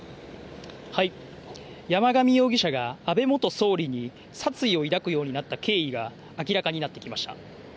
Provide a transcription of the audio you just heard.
山上容疑者が安倍元総理に殺意を抱くようになった経緯が明らかになってきました。